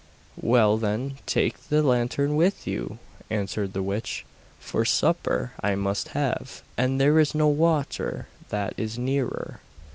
'Well, then, take the lantern with you,' answered the witch, 'for supper I must have, and there is no water that is nearer.